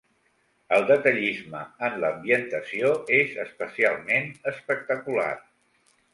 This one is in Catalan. El detallisme en l’ambientació és especialment espectacular.